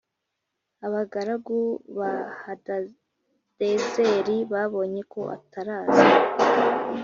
Abagaragu ba Hadadezeri babonye ko ataraza